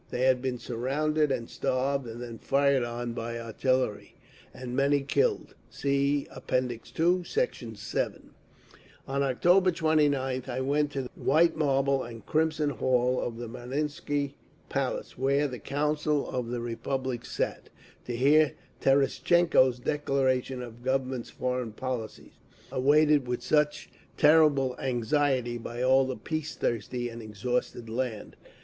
They had been surrounded and starved, and then fired on by artillery, and many killed. (See App. II, Sect. 7)… On October 29th I went to the white marble and crimson hall of the Marinsky palace, where the Council of the Republic sat, to hear Terestchenko's declaration of the Government's foreign policy, awaited with such terrible anxiety by all the peace thirsty and exhausted land.